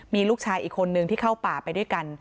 มีลูกชายอีกคนนึงที่เข้าป่าไปด้วยกัน